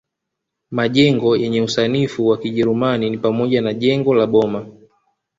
Majengo yenye usanifu wa kijerumani ni pamoja na jengo la Boma